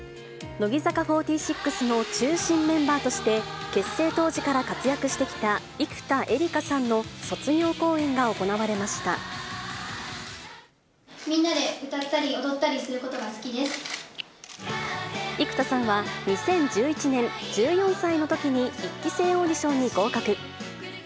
乃木坂４６の中心メンバーとして、結成当時から活躍してきた生田絵梨花さんの卒業公演が行われましみんなで歌ったり踊ったりす生田さんは２０１１年、１４歳のときに１期生オーディションに合格。